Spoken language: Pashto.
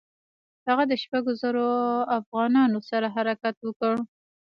هغه د شپږو زرو اوغانانو سره حرکت وکړ.